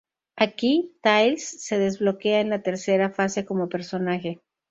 Aquí, Tails se desbloquea en la tercera fase como personaje.